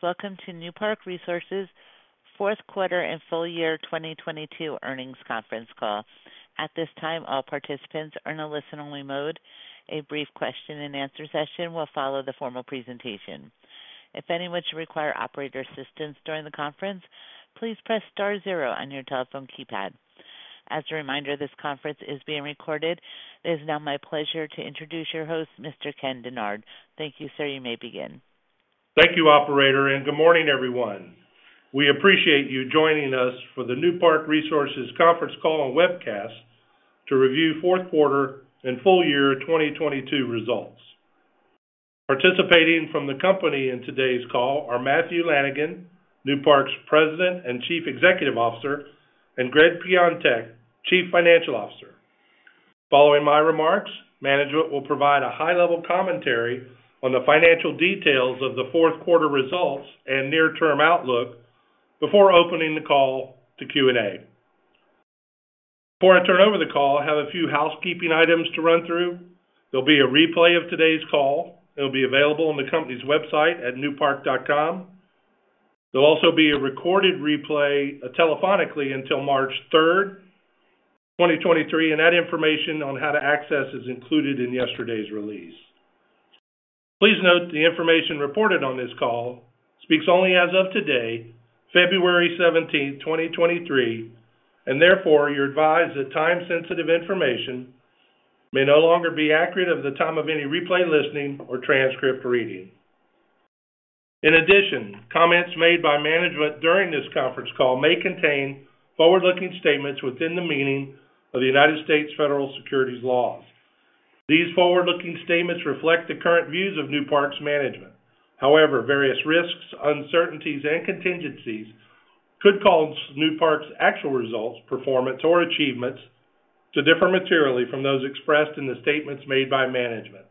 Welcome to Newpark Resources Fourth Quarter and Full Year 2022 Earnings Conference Call. At this time, all participants are in a listen-only mode. A brief question-and-answer session will follow the formal presentation. If anyone should require operator assistance during the conference, please press star zero on your telephone keypad. As a reminder, this conference is being recorded. It is now my pleasure to introduce your host, Mr. Ken Dennard. Thank you, sir. You may begin. Thank you, Operator. Good morning, everyone. We appreciate you joining us for the Newpark Resources conference call and webcast to review fourth quarter and full year 2022 results. Participating from the company in today's call are Matthew Lanigan, Newpark's President and Chief Executive Officer, and Gregg Piontek, Chief Financial Officer. Following my remarks, management will provide a high-level commentary on the financial details of the fourth quarter results and near-term outlook before opening the call to Q&A. Before I turn over the call, I have a few housekeeping items to run through. There'll be a replay of today's call that will be available on the company's website at newpark.com. There'll also be a recorded replay telephonically until March 3, 2023, and that information on how to access is included in yesterday's release. Please note the information reported on this call speaks only as of today, February seventeenth, 2023. Therefore you're advised that time-sensitive information may no longer be accurate at the time of any replay listening or transcript reading. In addition, comments made by management during this conference call may contain forward-looking statements within the meaning of the United States federal securities laws. These forward-looking statements reflect the current views of Newpark's management. However, various risks, uncertainties, and contingencies could cause Newpark's actual results, performance, or achievements to differ materially from those expressed in the statements made by management.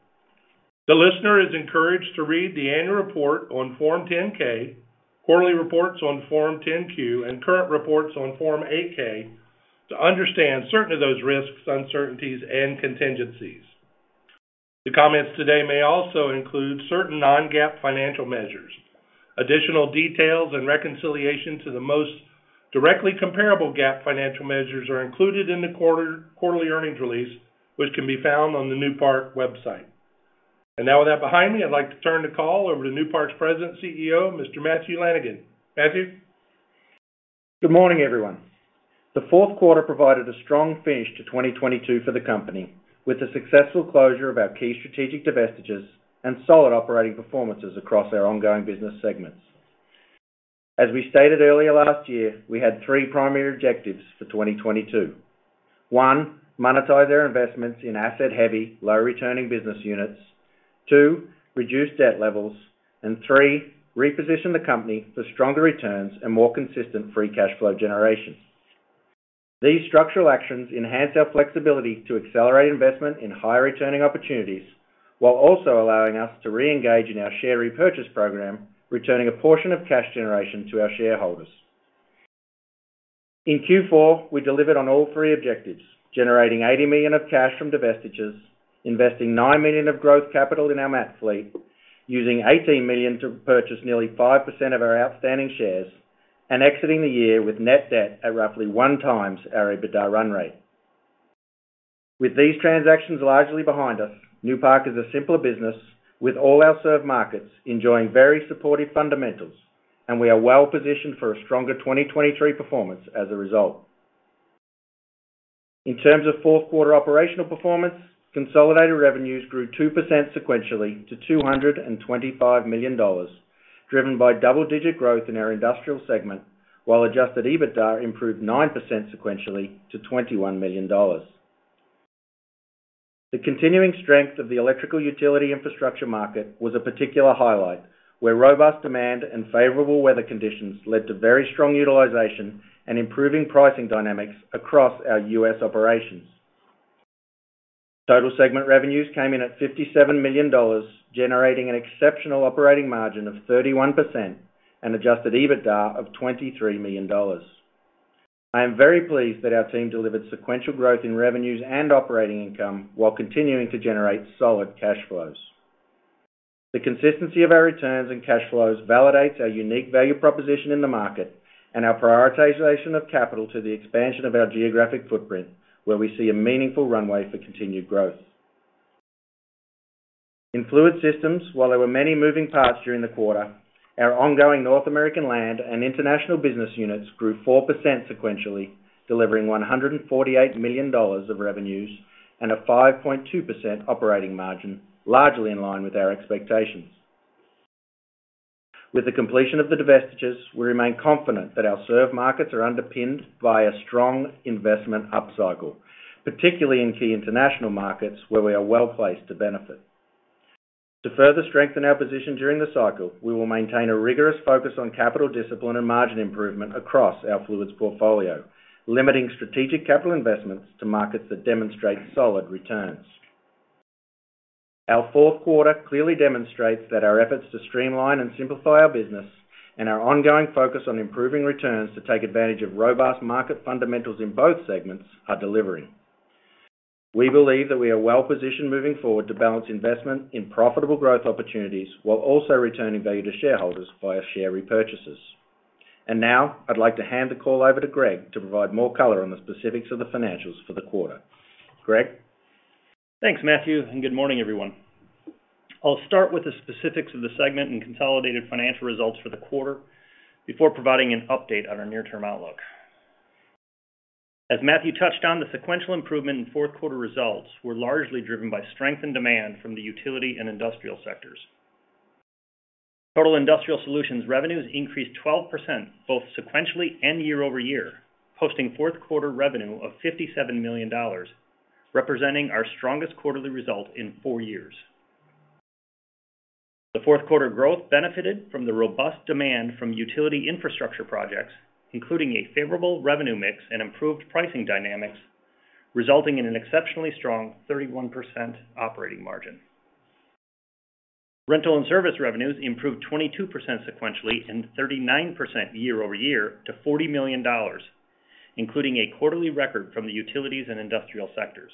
The listener is encouraged to read the annual report on Form 10-K, quarterly reports on Form 10-Q, and current reports on Form 8-K to understand certain of those risks, uncertainties, and contingencies. The comments today may also include certain non-GAAP financial measures. Additional details and reconciliation to the most directly comparable GAAP financial measures are included in the quarterly earnings release, which can be found on the Newpark website. Now with that behind me, I'd like to turn the call over to Newpark's President and CEO, Mr. Matthew Lanigan. Matthew? Good morning, everyone. The fourth quarter provided a strong finish to 2022 for Newpark, with the successful closure of our key strategic divestitures and solid operating performances across our ongoing business segments. As we stated earlier last year, we had three primary objectives for 2022. One monetize our investments in asset-heavy, low-returning business units. Two reduce debt levels. Three reposition Newpark for stronger returns and more consistent free cash flow generations. These structural actions enhance our flexibility to accelerate investment in high-returning opportunities while also allowing us to re-engage in our share repurchase program, returning a portion of cash generation to our shareholders. In Q4, we delivered on all three objectives, generating $80 million of cash from divestitures, investing $9 million of growth capital in our mat fleet, using $18 million to purchase nearly 5% of our outstanding shares, and exiting the year with net debt at roughly 1x our EBITDA run rate. With these transactions largely behind us, Newpark is a simpler business with all our served markets enjoying very supportive fundamentals, and we are well-positioned for a stronger 2023 performance as a result. In terms of fourth quarter operational performance, consolidated revenues grew 2% sequentially to $225 million, driven by double-digit growth in our industrial segment, while Adjusted EBITDA improved 9% sequentially to $21 million. The continuing strength of the electrical utility infrastructure market was a particular highlight, where robust demand and favorable weather conditions led to very strong utilization and improving pricing dynamics across our U.S. operations. Total segment revenues came in at $57 million, generating an exceptional operating margin of 31% and Adjusted EBITDA of $23 million. I am very pleased that our team delivered sequential growth in revenues and operating income while continuing to generate solid cash flows. The consistency of our returns and cash flows validates our unique value proposition in the market and our prioritization of capital to the expansion of our geographic footprint, where we see a meaningful runway for continued growth. In Fluids Systems, while there were many moving parts during the quarter, our ongoing North American land and international business units grew 4% sequentially, delivering $148 million of revenues and a 5.2% operating margin, largely in line with our expectations. With the completion of the divestitures, we remain confident that our served markets are underpinned by a strong investment upcycle, particularly in key international markets where we are well-placed to benefit. To further strengthen our position during the cycle, we will maintain a rigorous focus on capital discipline and margin improvement across our fluids portfolio, limiting strategic capital investments to markets that demonstrate solid returns. Our fourth quarter clearly demonstrates that our efforts to streamline and simplify our business and our ongoing focus on improving returns to take advantage of robust market fundamentals in both segments are delivering. We believe that we are well positioned moving forward to balance investment in profitable growth opportunities while also returning value to shareholders via share repurchases. Now I'd like to hand the call over to Gregg to provide more color on the specifics of the financials for the quarter. Gregg? Thanks, Matthew. Good morning, everyone. I'll start with the specifics of the segment and consolidated financial results for the quarter before providing an update on our near-term outlook. As Matthew touched on, the sequential improvement in fourth quarter results were largely driven by strength and demand from the utility and industrial sectors. Total Industrial Solutions revenues increased 12% both sequentially and year-over-year, posting fourth quarter revenue of $57 million, representing our strongest quarterly result in four years. The fourth quarter growth benefited from the robust demand from utility infrastructure projects, including a favorable revenue mix and improved pricing dynamics, resulting in an exceptionally strong 31% operating margin. Rental and service revenues improved 22% sequentially and 39% year-over-year to $40 million, including a quarterly record from the utilities and industrial sectors.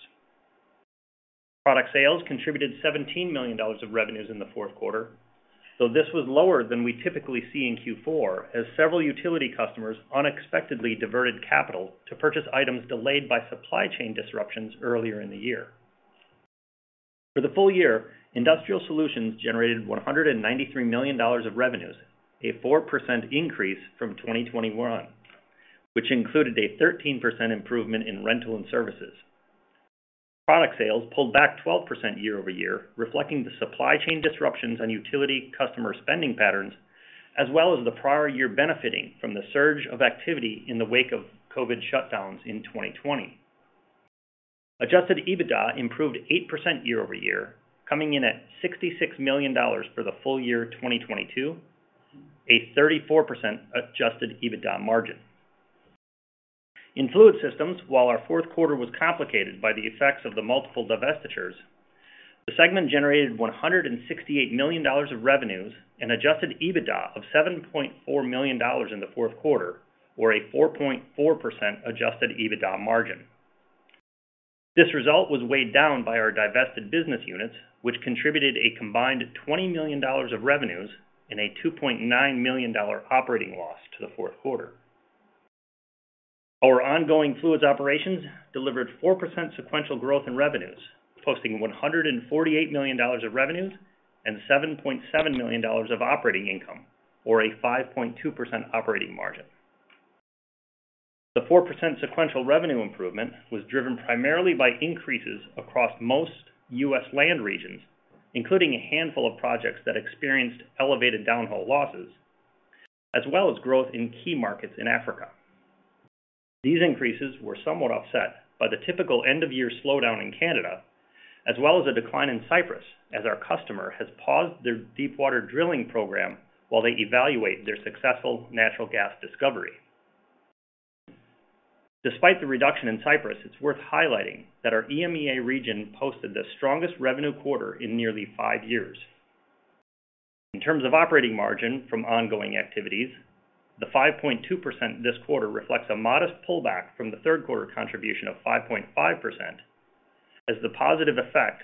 Product sales contributed $17 million of revenues in the fourth quarter, though this was lower than we typically see in Q4 as several utility customers unexpectedly diverted capital to purchase items delayed by supply chain disruptions earlier in the year. For the full year, Industrial Solutions generated $193 million of revenues, a 4% increase from 2021, which included a 13% improvement in rental and services. Product sales pulled back 12% year-over-year, reflecting the supply chain disruptions on utility customer spending patterns, as well as the prior year benefiting from the surge of activity in the wake of COVID shutdowns in 2020. Adjusted EBITDA improved 8% year-over-year, coming in at $66 million for the full year 2022, a 34% Adjusted EBITDA margin. In Fluids Systems, while our fourth quarter was complicated by the effects of the multiple divestitures, the segment generated $168 million of revenues and Adjusted EBITDA of $7.4 million in the fourth quarter, or a 4.4% Adjusted EBITDA margin. This result was weighed down by our divested business units, which contributed a combined $20 million of revenues and a $2.9 million operating loss to the fourth quarter. Our ongoing fluids operations delivered 4% sequential growth in revenues, posting $148 million of revenues and $7.7 million of operating income or a 5.2% operating margin. The 4% sequential revenue improvement was driven primarily by increases across most U.S. land regions, including a handful of projects that experienced elevated downhole losses, as well as growth in key markets in Africa. These increases were somewhat offset by the typical end of year slowdown in Canada, as well as a decline in Cyprus as our customer has paused their deepwater drilling program while they evaluate their successful natural gas discovery. Despite the reduction in Cyprus, it's worth highlighting that our EMEA region posted the strongest revenue quarter in nearly five years. In terms of operating margin from ongoing activities, the 5.2% this quarter reflects a modest pullback from the third quarter contribution of 5.5% as the positive effect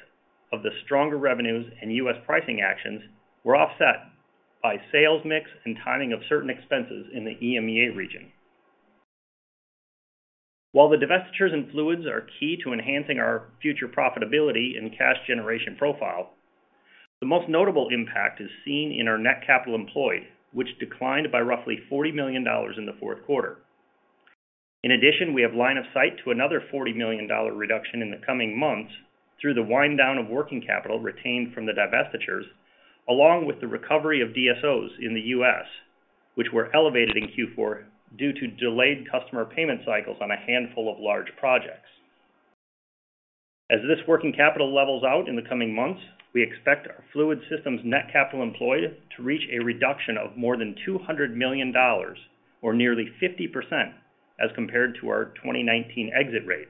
of the stronger revenues and U.S. pricing actions were offset by sales mix and timing of certain expenses in the EMEA region. While the divestitures in fluids are key to enhancing our future profitability and cash generation profile, the most notable impact is seen in our net capital employed, which declined by roughly $40 million in the fourth quarter. In addition, we have line of sight to another $40 million reduction in the coming months through the wind down of working capital retained from the divestitures, along with the recovery of DSOs in the U.S., which were elevated in Q4 due to delayed customer payment cycles on a handful of large projects. As this working capital levels out in the coming months, we expect our Fluids Systems net capital employed to reach a reduction of more than $200 million or nearly 50% as compared to our 2019 exit rate,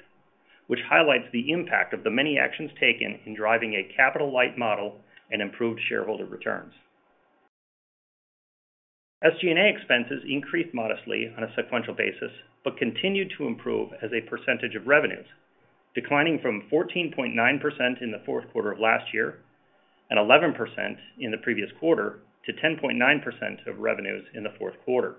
which highlights the impact of the many actions taken in driving a capital-light model and improved shareholder returns. SG&A expenses increased modestly on a sequential basis, but continued to improve as a percentage of revenues, declining from 14.9% in the fourth quarter of last year and 11% in the previous quarter to 10.9% of revenues in the fourth quarter.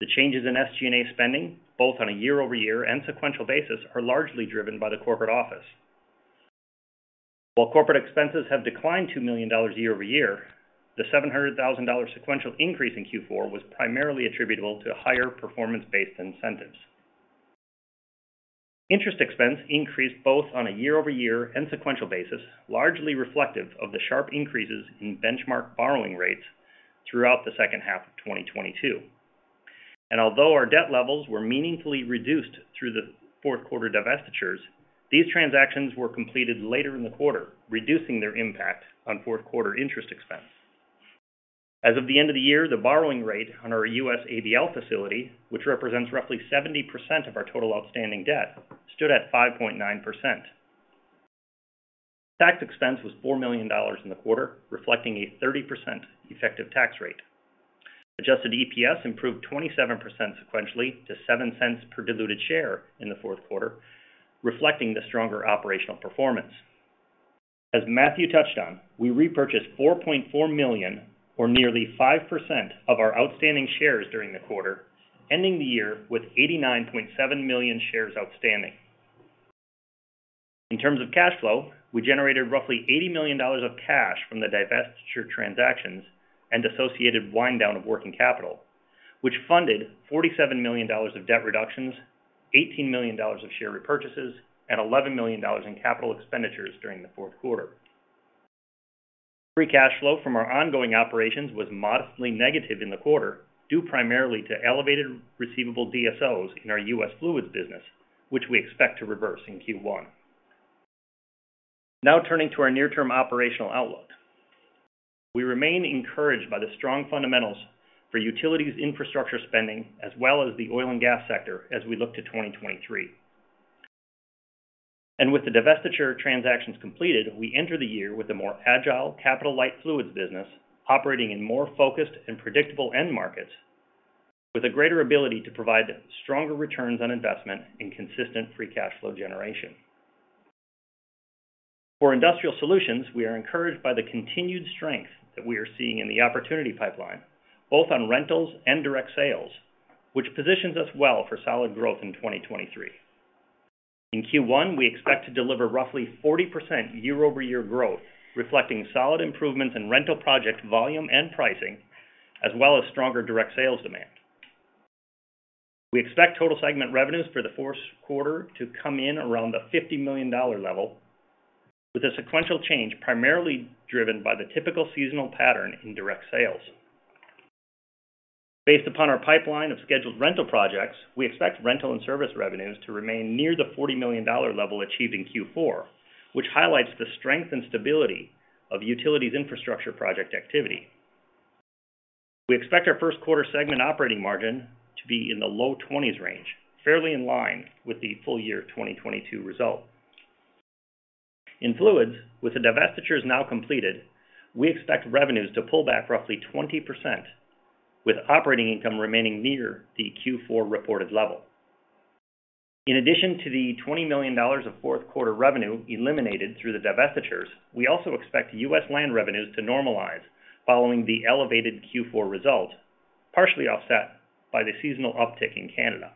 The changes in SG&A spending, both on a year-over-year and sequential basis, are largely driven by the corporate office. While corporate expenses have declined $2 million year-over-year, the $700,000 sequential increase in Q4 was primarily attributable to higher performance-based incentives. Interest expense increased both on a year-over-year and sequential basis, largely reflective of the sharp increases in benchmark borrowing rates throughout the second half of 2022. Although our debt levels were meaningfully reduced through the fourth quarter divestitures, these transactions were completed later in the quarter, reducing their impact on fourth quarter interest expense. As of the end of the year, the borrowing rate on our U.S. ABL facility, which represents roughly 70% of our total outstanding debt, stood at 5.9%. Tax expense was $4 million in the quarter, reflecting a 30% effective tax rate. Adjusted EPS improved 27% sequentially to $0.07 per diluted share in the fourth quarter, reflecting the stronger operational performance. As Matthew touched on, we repurchased 4.4 million or nearly 5% of our outstanding shares during the quarter, ending the year with 89.7 million shares outstanding. In terms of cash flow, we generated roughly $80 million of cash from the divestiture transactions and associated wind down of working capital, which funded $47 million of debt reductions, $18 million of share repurchases, and $11 million in capital expenditures during the fourth quarter. Free cash flow from our ongoing operations was modestly negative in the quarter, due primarily to elevated receivable DSOs in our U.S. Fluids business, which we expect to reverse in Q1. Turning to our near-term operational outlook. We remain encouraged by the strong fundamentals for utilities infrastructure spending, as well as the oil and gas sector as we look to 2023. With the divestiture transactions completed, we enter the year with a more agile capital-light Fluids business operating in more focused and predictable end markets with a greater ability to provide stronger returns on investment and consistent free cash flow generation. For Industrial Solutions, we are encouraged by the continued strength that we are seeing in the opportunity pipeline, both on rentals and direct sales, which positions us well for solid growth in 2023. In Q1, we expect to deliver roughly 40% year-over-year growth, reflecting solid improvements in rental project volume and pricing, as well as stronger direct sales demand. We expect total segment revenues for the first quarter to come in around the $50 million level, with a sequential change primarily driven by the typical seasonal pattern in direct sales. Based upon our pipeline of scheduled rental projects, we expect rental and service revenues to remain near the $40 million level achieved in Q4, which highlights the strength and stability of utilities infrastructure project activity. We expect our first quarter segment operating margin to be in the low 20s range, fairly in line with the full year 2022 result. In fluids, with the divestitures now completed, we expect revenues to pull back roughly 20%, with operating income remaining near the Q4 reported level. In addition to the $20 million of fourth quarter revenue eliminated through the divestitures, we also expect U.S. land revenues to normalize following the elevated Q4 result, partially offset by the seasonal uptick in Canada.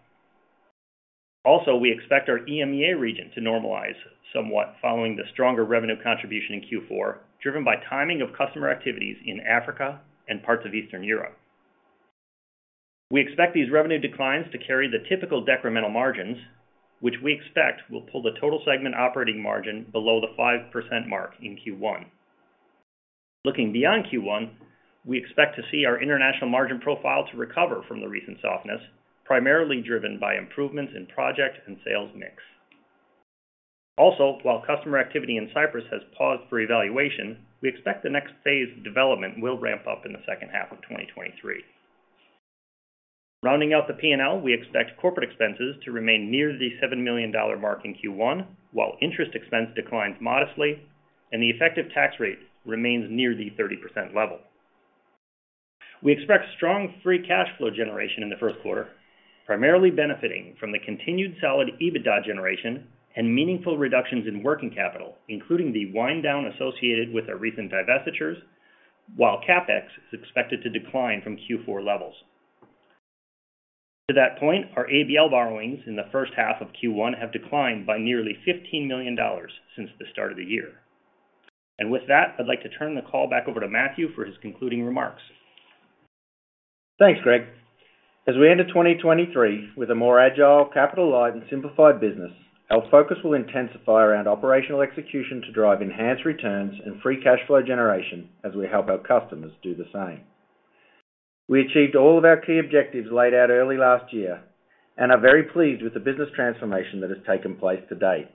Also, we expect our EMEA region to normalize somewhat following the stronger revenue contribution in Q4, driven by timing of customer activities in Africa and parts of Eastern Europe. We expect these revenue declines to carry the typical decremental margins, which we expect will pull the total segment operating margin below the 5% mark in Q1. Looking beyond Q1, we expect to see our international margin profile to recover from the recent softness, primarily driven by improvements in project and sales mix. Also, while customer activity in Cyprus has paused for evaluation, we expect the next phase of development will ramp up in the second half of 2023. Rounding out the P&L, we expect corporate expenses to remain near the $7 million mark in Q1, while interest expense declines modestly and the effective tax rate remains near the 30% level. We expect strong free cash flow generation in the first quarter, primarily benefiting from the continued solid EBITDA generation and meaningful reductions in working capital, including the wind down associated with our recent divestitures, while CapEx is expected to decline from Q4 levels. To that point, our ABL borrowings in the first half of Q1 have declined by nearly $15 million since the start of the year. With that, I'd like to turn the call back over to Matthew for his concluding remarks. Thanks, Gregg. As we enter 2023 with a more agile capital light and simplified business, our focus will intensify around operational execution to drive enhanced returns and free cash flow generation as we help our customers do the same. We achieved all of our key objectives laid out early last year and are very pleased with the business transformation that has taken place to date.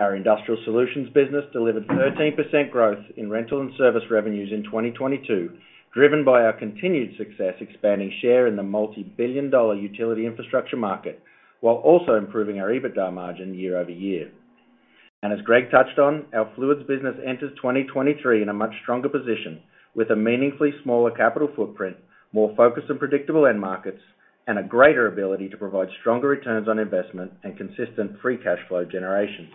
Our Industrial Solutions business delivered 13% growth in rental and service revenues in 2022, driven by our continued success expanding share in the multi-billion dollar utility infrastructure market, while also improving our EBITDA margin year-over-year. As Gregg touched on, our Fluids business enters 2023 in a much stronger position with a meaningfully smaller capital footprint, more focused and predictable end markets, and a greater ability to provide stronger returns on investment and consistent free cash flow generation.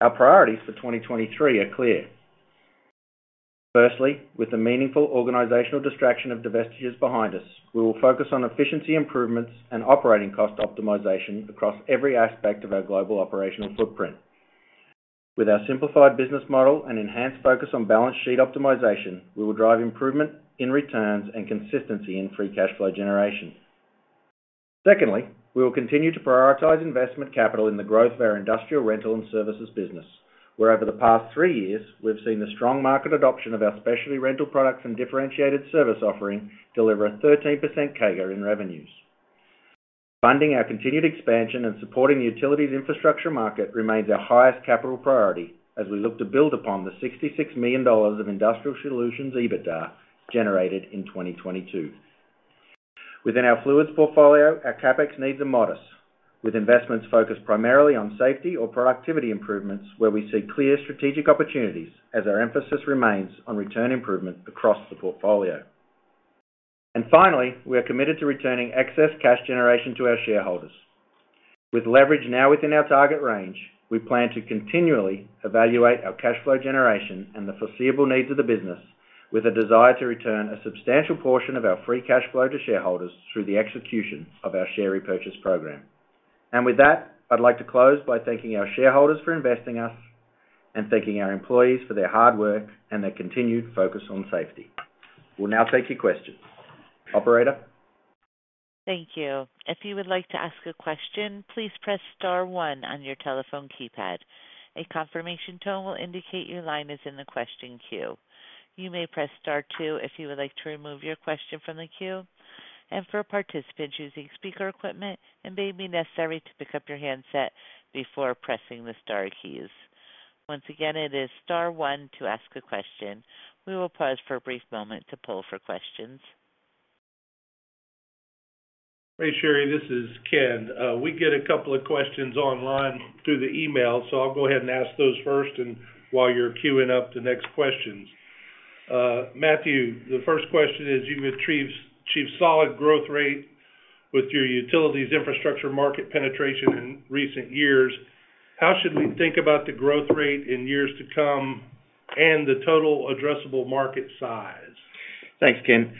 Our priorities for 2023 are clear. Firstly, with the meaningful organizational distraction of divestitures behind us, we will focus on efficiency improvements and operating cost optimization across every aspect of our global operational footprint. With our simplified business model and enhanced focus on balance sheet optimization, we will drive improvement in returns and consistency in free cash flow generation. Secondly, we will continue to prioritize investment capital in the growth of our industrial rental and services business, where over the past three years, we've seen the strong market adoption of our specialty rental products and differentiated service offering deliver a 13% CAGR in revenues. Funding our continued expansion and supporting the utilities infrastructure market remains our highest capital priority as we look to build upon the $66 million of Industrial Solutions EBITDA generated in 2022. Within our fluids portfolio, our CapEx needs are modest, with investments focused primarily on safety or productivity improvements where we see clear strategic opportunities as our emphasis remains on return improvement across the portfolio. Finally, we are committed to returning excess cash generation to our shareholders. With leverage now within our target range, we plan to continually evaluate our cash flow generation and the foreseeable needs of the business with a desire to return a substantial portion of our free cash flow to shareholders through the execution of our share repurchase program. With that, I'd like to close by thanking our shareholders for investing us and thanking our employees for their hard work and their continued focus on safety. We'll now take your questions. Operator? Thank you. If you would like to ask a question, please press star one on your telephone keypad. A confirmation tone will indicate your line is in the question queue. You may press star two if you would like to remove your question from the queue. For participants using speaker equipment, it may be necessary to pick up your handset before pressing the star keys. Once again, it is star one to ask a question. We will pause for a brief moment to poll for questions. Hey, Sherry, this is Ken. We get a couple of questions online through the email, so I'll go ahead and ask those first and while you're queuing up the next questions. Matthew, the first question is, you've achieved solid growth rate with your utilities infrastructure market penetration in recent years. How should we think about the growth rate in years to come and the total addressable market size? Thanks, Ken.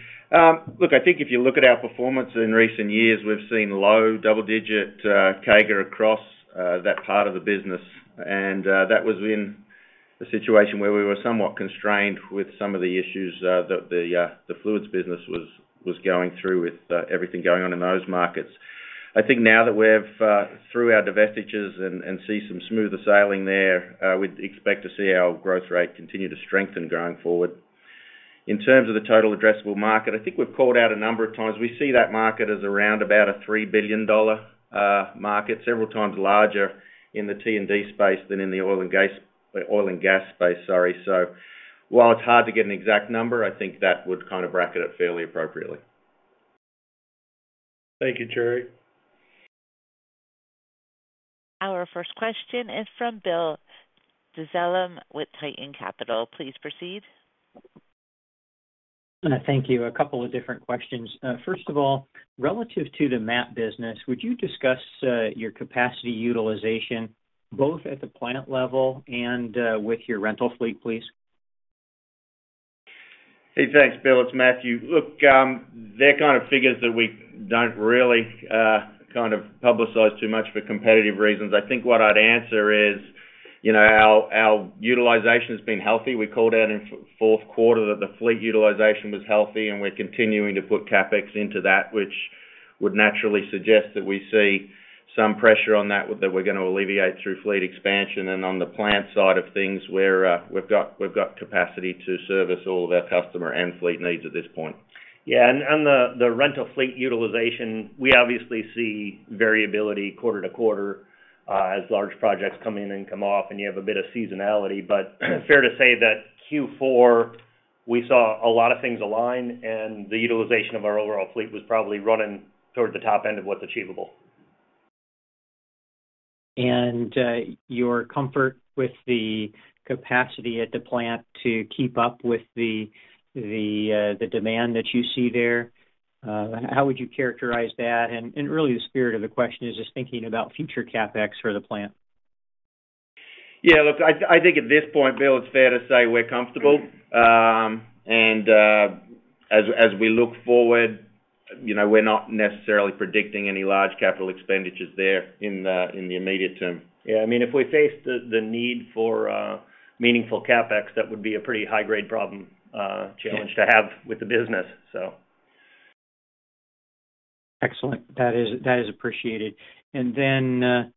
look, I think if you look at our performance in recent years, we've seen low double-digit CAGR across that part of the business. That was in a situation where we were somewhat constrained with some of the issues, the Fluids business was going through with everything going on in those markets. I think now that we have through our divestitures and see some smoother sailing there, we'd expect to see our growth rate continue to strengthen going forward. In terms of the total addressable market, I think we've called out a number of times, we see that market as around about a $3 billion market, several times larger in the T&D space than in the oil and gas space, sorry. While it's hard to get an exact number, I think that would kind of bracket it fairly appropriately. Thank you, Jerry. Our first question is from Bill Dezellem with Tieton Capital. Please proceed. Thank you. A couple of different questions. First of all, relative to the MAT business, would you discuss your capacity utilization, both at the plant level and, with your rental fleet, please? Hey, thanks, Bill. It's Matthew. Look, they're kind of figures that we don't really kind of publicize too much for competitive reasons. I think what I'd answer is, you know, our utilization has been healthy. We called out in fourth quarter that the fleet utilization was healthy, and we're continuing to put CapEx into that, which would naturally suggest that we see some pressure on that we're gonna alleviate through fleet expansion. On the plant side of things, we're we've got capacity to service all of our customer and fleet needs at this point. Yeah. The rental fleet utilization, we obviously see variability quarter to quarter, as large projects come in and come off, and you have a bit of seasonality. Fair to say that Q4, we saw a lot of things align, and the utilization of our overall fleet was probably running toward the top end of what's achievable. Your comfort with the capacity at the plant to keep up with the demand that you see there, how would you characterize that? And really the spirit of the question is just thinking about future CapEx for the plant. Yeah, look, I think at this point, Bill, it's fair to say we're comfortable. As we look forward, you know, we're not necessarily predicting any large capital expenditures there in the immediate term. Yeah. I mean, if we face the need for a meaningful CapEx, that would be a pretty high grade problem, challenge to have with the business, so. Excellent. That is appreciated. My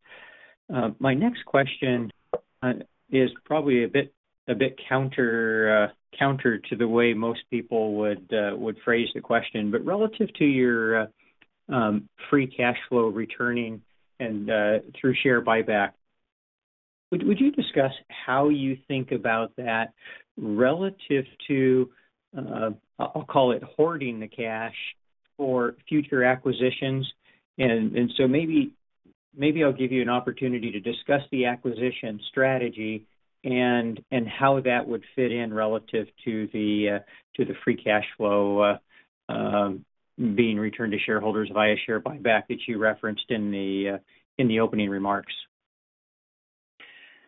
next question is probably a bit counter to the way most people would phrase the question. Relative to your free cash flow returning and through share buyback, would you discuss how you think about that relative to, I'll call it hoarding the cash for future acquisitions? Maybe I'll give you an opportunity to discuss the acquisition strategy and how that would fit in relative to the free cash flow being returned to shareholders via share buyback that you referenced in the opening remarks.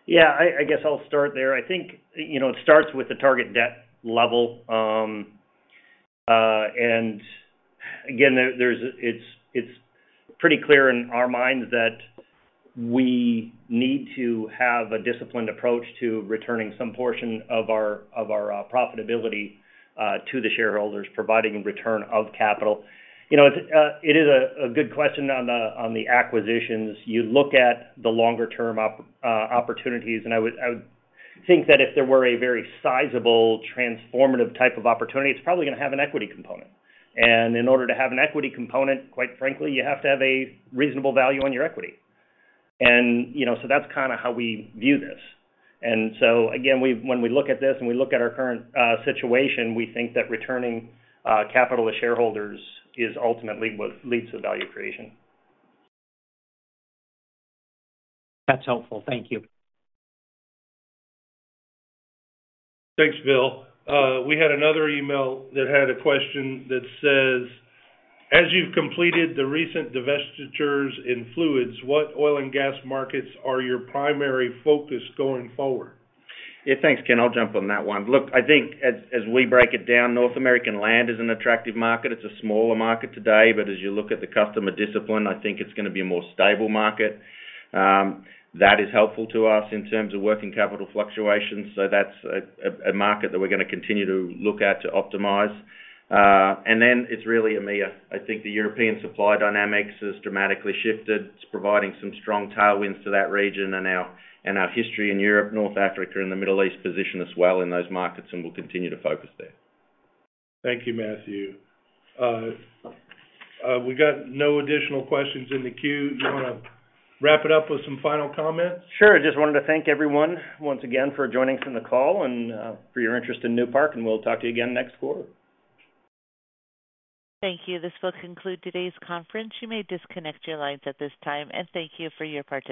Yeah. I guess I'll start there. I think, you know, it starts with the target debt level. Again, it's pretty clear in our minds that we need to have a disciplined approach to returning some portion of our profitability to the shareholders, providing a return of capital. You know, it's a good question on the acquisitions. You look at the longer term opportunities, I would think that if there were a very sizable transformative type of opportunity, it's probably gonna have an equity component. In order to have an equity component, quite frankly, you have to have a reasonable value on your equity. You know, that's kinda how we view this. Again, when we look at this and we look at our current situation, we think that returning capital to shareholders is ultimately what leads to value creation. That's helpful. Thank you. Thanks, Bill. We had another email that had a question that says, "As you've completed the recent divestitures in fluids, what oil and gas markets are your primary focus going forward? Yeah. Thanks, Ken. I'll jump on that one. Look, I think as we break it down, North American land is an attractive market. It's a smaller market today, but as you look at the customer discipline, I think it's gonna be a more stable market. That is helpful to us in terms of working capital fluctuations. That's a market that we're gonna continue to look at to optimize. It's really EMEA. I think the European supply dynamics has dramatically shifted. It's providing some strong tailwinds to that region and our history in Europe, North Africa and the Middle East position as well in those markets. We'll continue to focus there. Thank you, Matthew. We got no additional questions in the queue. You wanna wrap it up with some final comments? Sure. I just wanted to thank everyone once again for joining us on the call and for your interest in Newpark, and we'll talk to you again next quarter. Thank you. This will conclude today's conference. You may disconnect your lines at this time, and thank you for your participation.